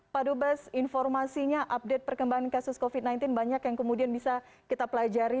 pak dubes informasinya update perkembangan kasus covid sembilan belas banyak yang kemudian bisa kita pelajari